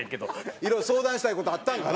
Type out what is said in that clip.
いろいろ相談したい事あったんかな？